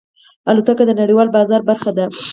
الوتکه د نړیوال بازار برخه ده.